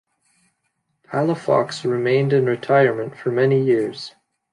Palafox remained in retirement for many years.